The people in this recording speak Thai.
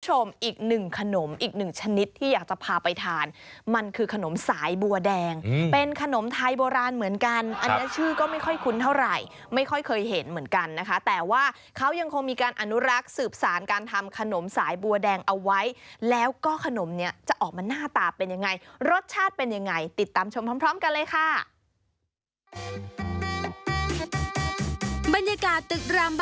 อีกหนึ่งขนมอีกหนึ่งชนิดที่อยากจะพาไปทานมันคือขนมสายบัวแดงเป็นขนมไทยโบราณเหมือนกันอันนี้ชื่อก็ไม่ค่อยคุ้นเท่าไหร่ไม่ค่อยเคยเห็นเหมือนกันนะคะแต่ว่าเขายังคงมีการอนุรักษ์สืบสารการทำขนมสายบัวแดงเอาไว้แล้วก็ขนมเนี้ยจะออกมาหน้าตาเป็นยังไงรสชาติเป็นยังไงติดตามชมพร้อมกันเลยค่ะ